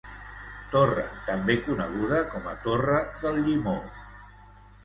Torre també coneguda com a torre del Llimó.